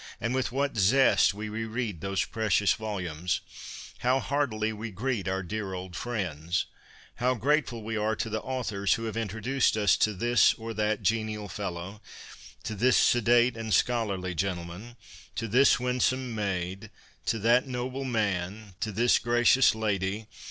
And with what zest we re read those precious volumes ! How heartily we greet our dear old friends ! How grate ful we are to the authors who have introduced us to this or that genial fellow, to this sedate and scholarly gentleman, to this winsome maid, to that noble man, to this gracious lady